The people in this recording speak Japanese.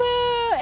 え！